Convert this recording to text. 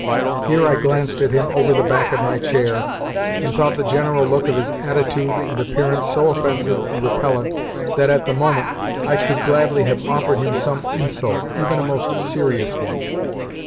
Here I glanced at him over the back of my chair, and thought the general look of his attitude and appearance so offensive and repellant that at the moment I could gladly have offered him some insult, even a most serious one.